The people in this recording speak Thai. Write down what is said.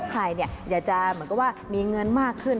ใครอยากจะเหมือนกับว่ามีเงินมากขึ้น